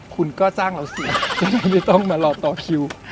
คุณก็จ้างเราสิฉันไม่ต้องมารอต่อคิว